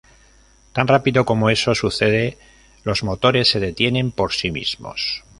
Tan rápido como eso sucede los motores se detienen por sí mismos.